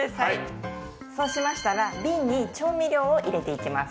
そうしましたら瓶に調味料を入れていきます。